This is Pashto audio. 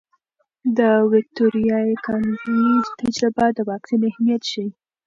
د ویکتوریا ایکانوي تجربه د واکسین اهمیت ښيي.